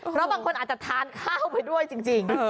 เพราะบางคนอาจจะทานข้าวไปด้วยจริง